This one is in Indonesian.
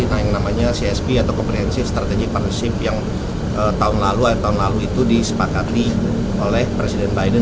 yang namanya csp atau comprehensive strategic partnership yang tahun lalu itu disepakati oleh presiden biden